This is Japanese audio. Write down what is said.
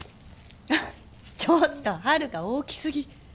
ちょっとハルカ大きすぎ。